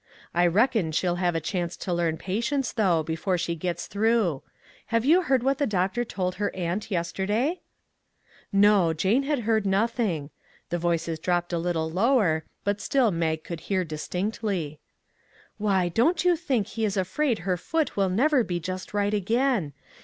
I reckon she'll have a chance to learn patience, though, before she gets through. Have you heard what the doctor told her aunt yesterday ?" No, Jane had heard nothing. The voices dropped a little lower, but still Mag could hear distinctly. " Why, don't you think he is afraid her foot will never be just right again!